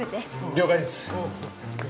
了解です。